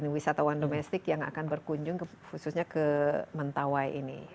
wisatawan domestik yang akan berkunjung khususnya ke mentawai ini